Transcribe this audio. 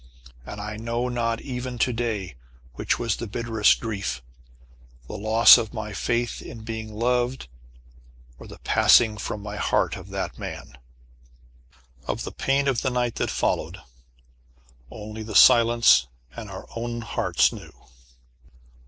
And I know not even to day which was the bitterest grief, the loss of my faith in being loved, or the passing from my heart of that man! Of the pain of the night that followed, only the silence and our own hearts knew.